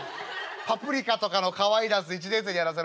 『パプリカ』とかのかわいいダンス１年生にやらせろ」。